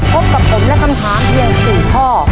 พบกับผมและคำถามเพียง๔ข้อ